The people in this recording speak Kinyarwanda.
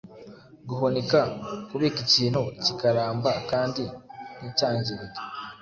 Guhunika: kubika ikintu kikaramba kandi nticyangirike